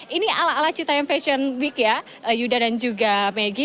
ini ala ala cita yang fashion week ya yuda dan juga maggie